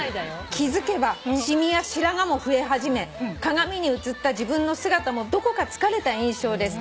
「気付けばシミや白髪も増え始め鏡に映った自分の姿もどこか疲れた印象です」